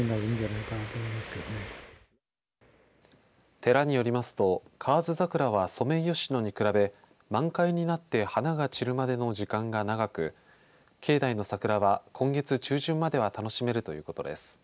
寺によりますと河津桜はソメイヨシノに比べ満開になって花が散るまでの時間が長く境内の桜は今月中旬までは楽しめるということです。